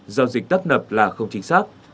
giao dịch tắt nập là không chính xác